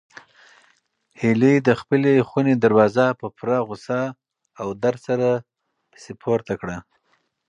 هیلې د خپلې خونې دروازه په پوره غوسه او درد سره پسې پورته کړه.